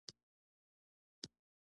هغه له بې ارزښتو خلکو سره لاس یو کړی دی.